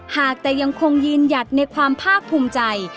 หากแต่ยังคงยืนหยัดในความภาคภูมิใจ